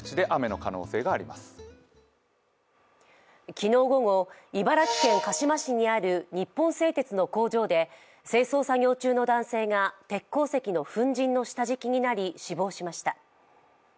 昨日午後、茨城県鹿嶋市にある日本製鉄の工場で清掃作業中の男性が鉄鉱石の粉じんの下敷きになり死亡しました。